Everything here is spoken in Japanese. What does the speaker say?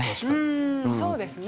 うんそうですね。